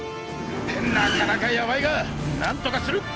なかなかヤバいがなんとかする！